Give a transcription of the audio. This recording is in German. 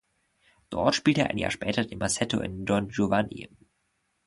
Dort spielte er ein Jahr später den Masetto in "Don Giovanni".